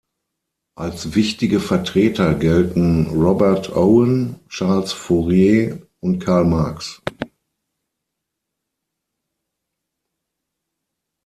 Als wichtige Vertreter gelten Robert Owen, Charles Fourier und Karl Marx.